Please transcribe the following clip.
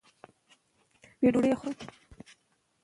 واټس اپ او ټیلیګرام پښتو ذخیره نه لري.